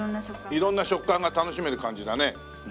色んな食感が楽しめる感じだね。